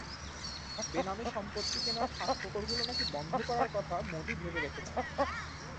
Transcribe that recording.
বেনামে সম্পত্তি কেনার ফাঁকফোকরগুলোও নাকি বন্ধ করার কথা মোদি ভেবে রেখেছেন।